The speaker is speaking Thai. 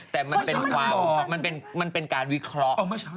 แต่มันเป็นการวิเคราะห์